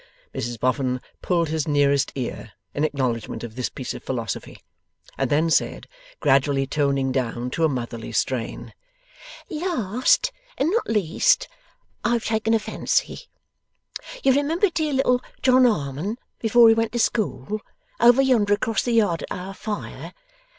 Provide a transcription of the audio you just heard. Mrs Boffin pulled his nearest ear, in acknowledgment of this piece of philosophy, and then said, gradually toning down to a motherly strain: 'Last, and not least, I have taken a fancy. You remember dear little John Harmon, before he went to school? Over yonder across the yard, at our fire?